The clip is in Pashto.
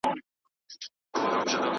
چې په اور راله مخ تور کړي